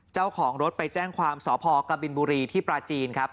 เจ้าของรถไปแจ้งความสพกบินบุรีที่ปราจีนครับ